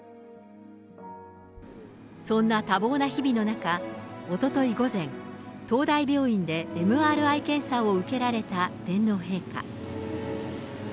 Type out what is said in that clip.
そんな多忙な日々の中、おととい午前、東大病院でＭＲＩ検査を受けられた天皇陛下。